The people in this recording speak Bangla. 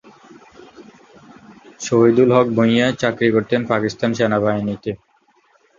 শহিদুল হক ভূঁইয়া চাকরি করতেন পাকিস্তান সেনাবাহিনীতে।